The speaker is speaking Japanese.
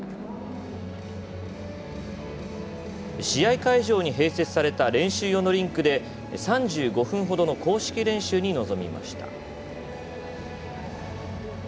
試合会場に併設された練習用のリンクで３５分ほどの公式練習に臨みました。